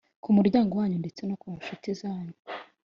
ku muryango wanyu ndetse no ku nshuti zanyu